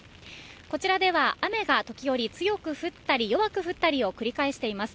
こちらでは雨が時折強く降ったり、弱く降ったりを繰り返しています。